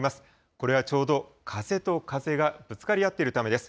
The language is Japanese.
これはちょうど風と風がぶつかり合っているためです。